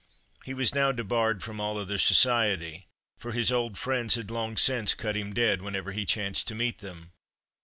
He was now debarred from all other society, for his old friends had long since cut him dead whenever he chanced to meet them.